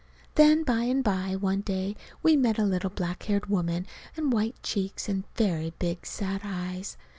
Then by and by, one day, we met a little black haired woman with white cheeks and very big sad eyes.